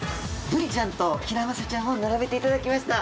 ブリちゃんとヒラマサちゃんを並べていただきました。